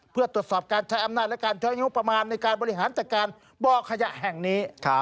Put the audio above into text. เพื่อตรวจสอบการใช้อำนาจและการใช้งบประมาณในการบริหารจัดการบ่อขยะแห่งนี้